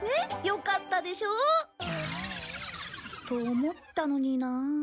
よかったでしょ？と思ったのになあ。